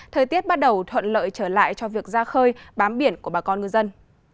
thời tiết bắt đầu thuận lợi trở lại cho việc ra khơi bám biển của bà con ngư dân